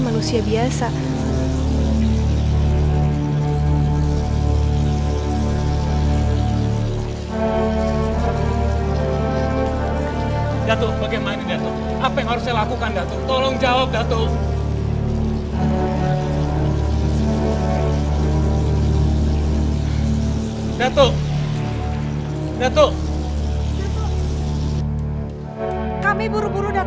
dan aku harap